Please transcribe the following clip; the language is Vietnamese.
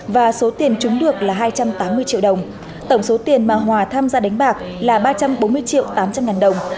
và số tiền chúng được là hai trăm tám mươi triệu đồng tổng số tiền mà hòa tham gia đánh bạc là ba trăm bốn mươi triệu tám trăm linh ngàn đồng